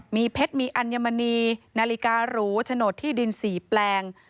มีเพชรมีอัญมณีนาฬิการูโฉนดที่ดิน๔แปลง